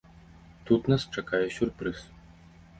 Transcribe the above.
Тут нас чакае сюрпрыз.